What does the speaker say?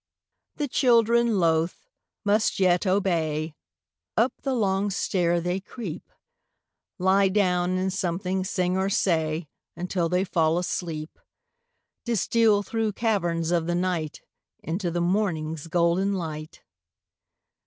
The children, loath, must yet obey; Up the long stair they creep; Lie down, and something sing or say Until they fall asleep, To steal through caverns of the night Into the morning's golden light.